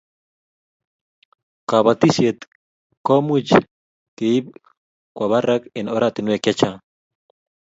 Kabatishet ko much ke ib kwo barak eng' oratinwek che chang'